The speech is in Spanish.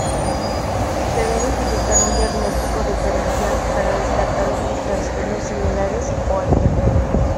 Se debe utilizar un diagnóstico diferencial para descartar otros trastornos similares o alternativos.